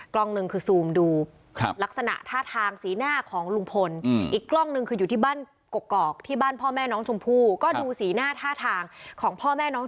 กล้องนึงคืออยู่ที่บ้านกรกกอกที่บ้านพ่อแม่น้องชมพูก็ดูสีหน้าท่าทางของพ่อแม่น้อง